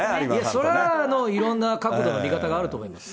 それはいろんな角度の見方があると思います。